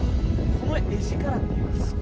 この画力っていうかさ